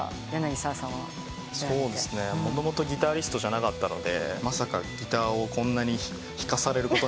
もともとギタリストじゃなかったのでまさかギターをこんなに弾かされることになるとは。